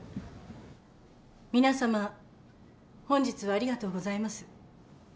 皆さま本日はありがとうございます。